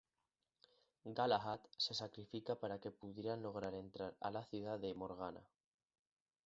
Galahad se sacrifica para que pudieran lograr entrar a la ciudadela de Morgana.